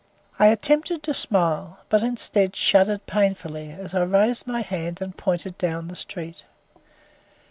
I attempted to smile, but instead, shuddered painfully, as I raised my hand and pointed down at the street.